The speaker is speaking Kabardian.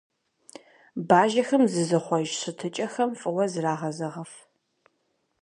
Бажэхэм зызыхъуэж щытыкӏэхэм фӀыуэ зрагъэзэгъыф.